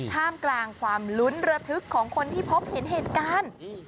ท่ามกลางความลุ้นระทึกของคนที่พบเห็นเหตุการณ์